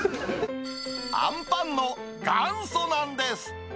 あんぱんの元祖なんです。